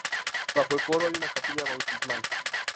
Bajo el coro hay una capilla bautismal.